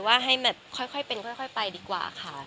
ว่าให้ค่อยเป็นดีกว่าค่ะ